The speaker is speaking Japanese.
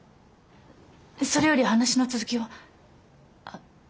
それより話の続きをあ！